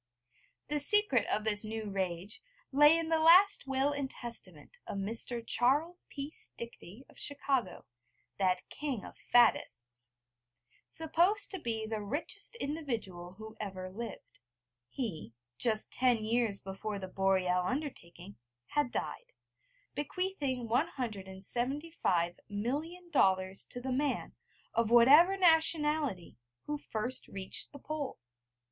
The secret of this new rage lay in the last will and testament of Mr. Charles P. Stickney of Chicago, that king of faddists, supposed to be the richest individual who ever lived: he, just ten years before the Boreal undertaking, had died, bequeathing 175 million dollars to the man, of whatever nationality, who first reached the Pole.